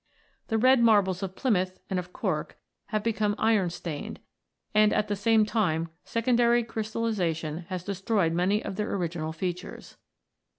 The red marbles of Plymouth and of Cork have become iron stained, and at the same time secondary crystallisation has destroyed many of their original features.